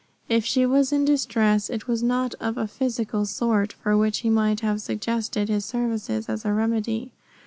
If she was in distress it was not of a physical sort for which he might have suggested his services as a remedy.